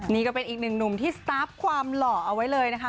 นี่ก็เป็นอีกหนึ่งหนุ่มที่สตาร์ฟความหล่อเอาไว้เลยนะคะ